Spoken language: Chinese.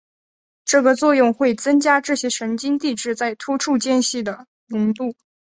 这个作用会增加这些神经递质在突触间隙的浓度。